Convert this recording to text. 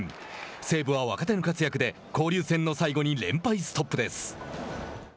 西武は若手の活躍で交流戦の最後に連敗ストップです。